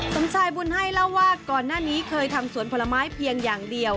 สมชายบุญให้เล่าว่าก่อนหน้านี้เคยทำสวนผลไม้เพียงอย่างเดียว